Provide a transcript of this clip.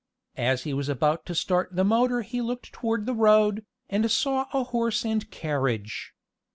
As he was about to start the motor he looked toward the road, and saw a horse and carriage.